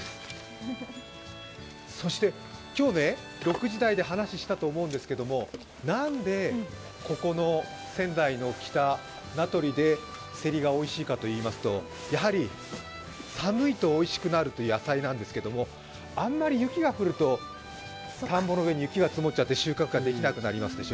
そして、今日、６時台で話したと思うんですけど何でここの仙台の北、名取でセリがおいしいかといいますとやはり寒いとおいしくなる野菜なんですけど、あんまり雪が降ると、田んぼの上に雪が積もっちゃって収穫ができなくなりますでしょ。